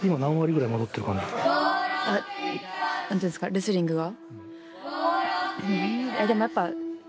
レスリングが？